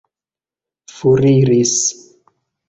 foriris